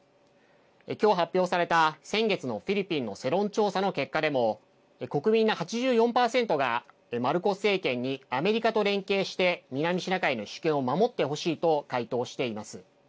今日発表された、先月のフィリピンの世論調査の結果でも国民の８４％がマルコス政権にアメリカと連携して南シナ海の主権を守ってほしいと回答しています。